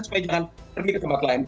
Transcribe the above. supaya jangan pergi ke tempat lain